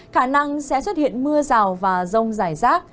khả năng sẽ xuất hiện mưa rào và rông rải rác